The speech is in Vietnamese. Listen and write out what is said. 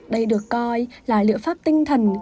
đây được coi là liệu pháp tinh thần